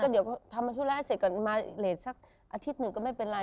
เดี๋ยวทำธุระให้เสร็จก่อนมาเลสสักอาทิตย์หนึ่งก็ไม่เป็นไร